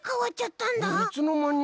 いつのまに？